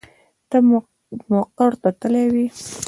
ته مقر تللی وې.